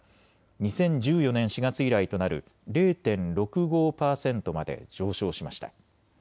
２０１４年４月以来となる０．６５％まで上昇しました。